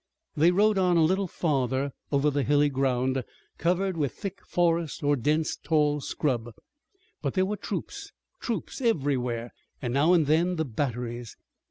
They rode on a little farther over the hilly ground, covered with thick forest or dense, tall scrub. But there were troops, troops, everywhere, and now and then the batteries.